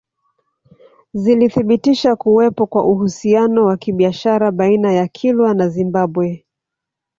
Zilithibitisha kuwapo kwa uhusiano wa kibiashara baina ya Kilwa na Zimbabwe